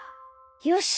よし！